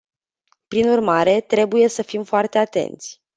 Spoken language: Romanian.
Prin urmare, trebuie să fim foarte atenți.